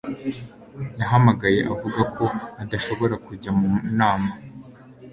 yahamagaye avuga ko adashobora kujya mu nama